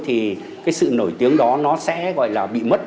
thì cái sự nổi tiếng đó nó sẽ gọi là bị mất